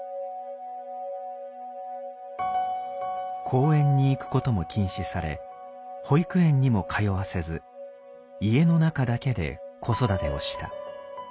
公園に行くことも禁止され保育園にも通わせず家の中だけで子育てをした。